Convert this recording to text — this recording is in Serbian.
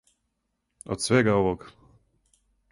Од свега овог!